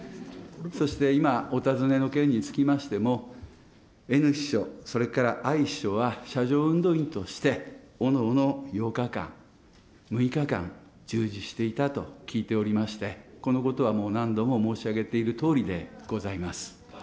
そして今、お尋ねの件につきましても、Ｎ秘書、それからＩ秘書は車上運動員としておのおの８日間、６日間、従事していたと聞いておりまして、このことはもう何度も申し上げているとおりでございます。